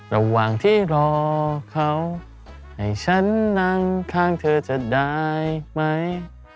ระหว่างที่รอเขาให้ฉันนั่งข้างเธอจะได้ไหม